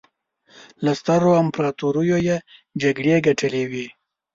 له سترو امپراطوریو یې جګړې ګټلې وې.